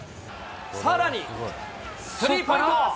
さらに、スリーポイント。